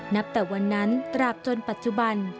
นับแต่วันนั้นตราบจนปัจจุบัน